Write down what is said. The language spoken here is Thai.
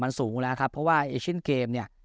มันสูงแล้วครับเพราะว่าเอเชียนเกมเนี่ย